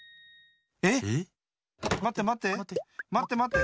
えっ⁉まってまって。